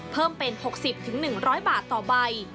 เพิ่มเป็น๖๐๑๐๐บาทต่อใบ